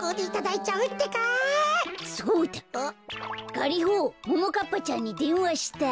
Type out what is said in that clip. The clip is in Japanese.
ガリホももかっぱちゃんにでんわしたい。